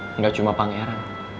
nggak cuma pangeran